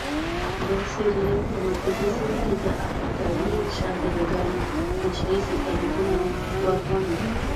د سیریلیون په مرکزي سیمو کې د افریقایي شهزادګانو کوچني سلطنتونه واکمن وو.